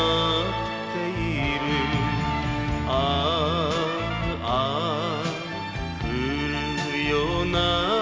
「ああ降るような」